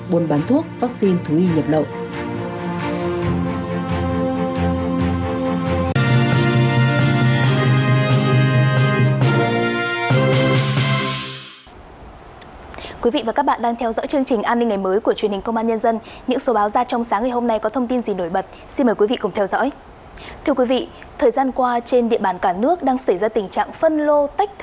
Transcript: buôn bán thuốc vaccine thú y nhập lộ